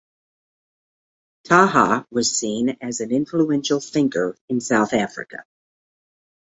Taha was seen as an influential thinker in South Africa.